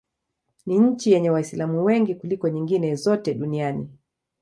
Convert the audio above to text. Ni nchi yenye Waislamu wengi kuliko nyingine zote duniani.